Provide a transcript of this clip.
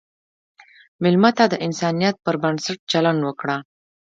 مېلمه ته د انسانیت پر بنسټ چلند وکړه.